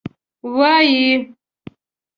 وایي.